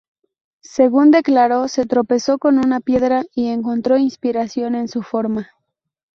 Según declaró, se tropezó con una piedra y encontró inspiración en su forma.